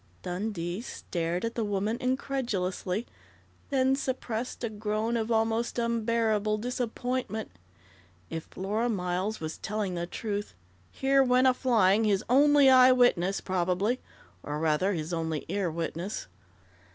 _" Dundee stared at the woman incredulously, then suppressed a groan of almost unbearable disappointment. If Flora Miles was telling the truth, here went a flying his only eye witness, probably, or rather, his only ear witness.